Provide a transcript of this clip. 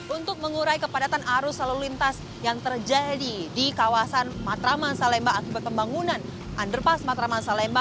untuk mengurai kepadatan arus lalu lintas yang terjadi di kawasan matraman salemba akibat pembangunan underpass matraman salemba